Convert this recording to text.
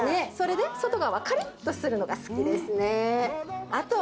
それで外側はかりっとするのが好きですねー。